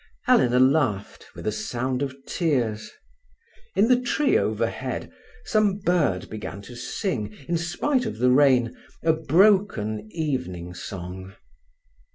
Helena laughed, with a sound of tears. In the tree overhead some bird began to sing, in spite of the rain, a broken evening song.